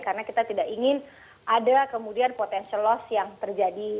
karena kita tidak ingin ada kemudian potential loss yang terjadi